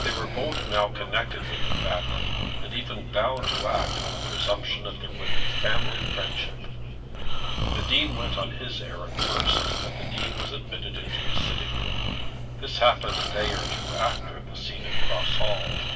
They were both now connected with the family, and even bound to act on the presumption that there would be family friendship. The Dean went on his errand first, and the Dean was admitted into his sitting room. This happened a day or two after the scene at Cross Hall.